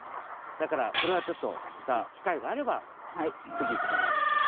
だからこれはちょっとまたきかいがあればつぎがんばりましょう。